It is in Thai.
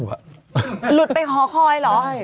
หลุดไปหอคอยเหรอ